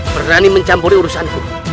berani mencampuri urusanku